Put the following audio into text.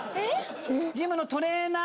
ジムのトレーナー。